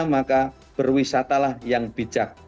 maka berwisata lah yang bijak